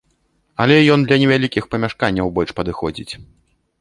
Але ён для невялікіх памяшканняў больш падыходзіць.